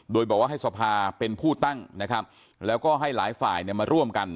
โดยบอกว่าให้สภาเป็นผู้ตั้งนะครับแล้วก็ให้หลายฝ่ายเนี่ยมาร่วมกัน